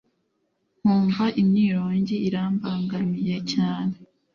nkumva imyirongi irambangamiye cyane